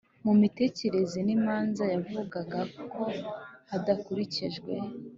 mu mitegekere n imanza Yavugaga ko hadakurikijwe